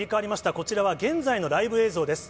こちらは現在のライブ映像です。